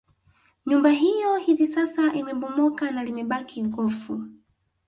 Nyumba hiyo hivi sasa imebomoka na limebaki gofu